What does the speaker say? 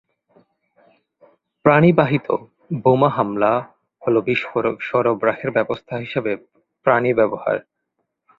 প্রাণী-বাহিত বোমা হামলা হ'ল বিস্ফোরক সরবরাহের ব্যবস্থা হিসাবে প্রাণী ব্যবহার।